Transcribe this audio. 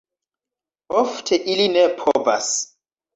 Ofte ili ne povas.